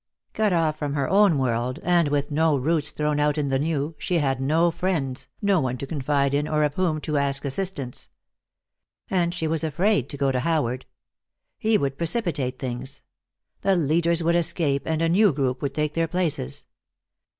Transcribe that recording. Cut off from her own world, and with no roots thrown out in the new, she had no friends, no one to confide in or of whom to ask assistance. And she was afraid to go to Howard. He would precipitate things. The leaders would escape, and a new group would take their places.